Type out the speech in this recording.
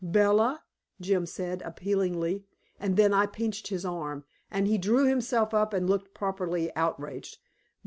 "Bella," Jim said appealingly. And then I pinched his arm, and he drew himself up and looked properly outraged.